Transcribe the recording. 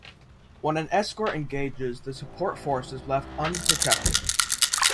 When an escort engages, the supported force is left unprotected.